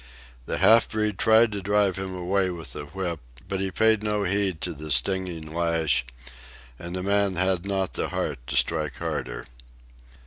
The half breed tried to drive him away with the whip; but he paid no heed to the stinging lash, and the man had not the heart to strike harder.